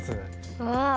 うわ。